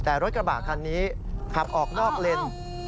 แต่รถกระบะคันนี้ขับออกนอกเลน